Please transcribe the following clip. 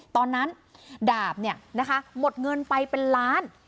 ตอนนั้นดาบเนี่ยนะคะหมดเงินไปเป็นล้าน